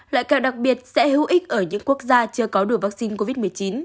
loại kẹo đặc biệt sẽ hữu ích ở những quốc gia chưa có đủ vaccine covid một mươi chín